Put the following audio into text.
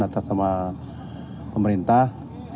atas nama pemerintah